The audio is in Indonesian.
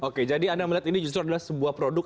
oke jadi anda melihat ini justru adalah sebuah produk